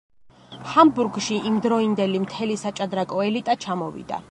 ჰამბურგში იმდროინდელი მთელი საჭადრაკო ელიტა ჩამოვიდა.